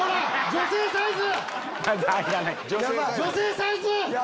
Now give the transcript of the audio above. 女性サイズ！